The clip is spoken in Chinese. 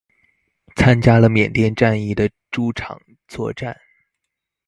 参加了缅甸战役的诸场作战。